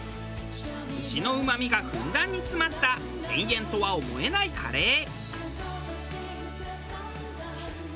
牛のうまみがふんだんに詰まった１０００円とは思えないカレー。